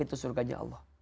mengetuk pintu surganya allah